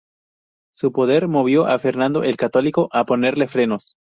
Su poder movió a Fernando el Católico a ponerle frenos.